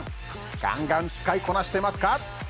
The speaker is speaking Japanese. ガンガン使いこなしてますか？